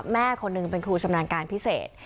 แม่คนหนึ่งเป็นครูชำนาญการพิเศษ